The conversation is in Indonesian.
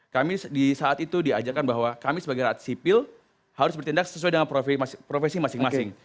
kami di saat itu diajarkan bahwa kami sebagai rakyat sipil harus bertindak sesuai dengan profesi masing masing